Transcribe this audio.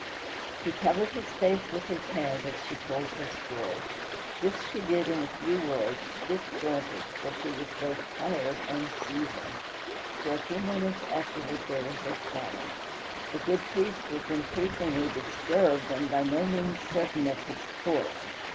He covered his face with his hand as she told her story. This she did in a few words, disjointed, for she was both tired and seething. For a few moments afterward there was a silence; the good priest was increasingly disturbed and by no means certain of his course.